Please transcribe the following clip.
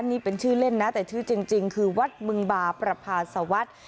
นี่เป็นชื่อเล่นนะแต่ชื่อจริงคือวัดมึงบาประพาสวัสดิ์